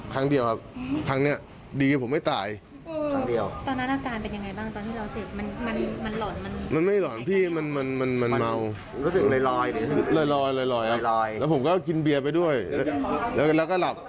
แล้วผมก็กินเบียร์ไปด้วยแล้วก็หลับ